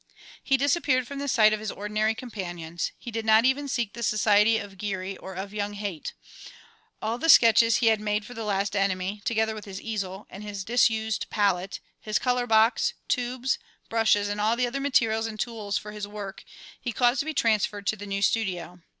He disappeared from the sight of his ordinary companions; he did not even seek the society of Geary or of young Haight. All the sketches he had made for the "Last Enemy," together with his easel and his disused palette, his colour box, tubes, brushes and all the other materials and tools for his work, he caused to be transferred to the new studio.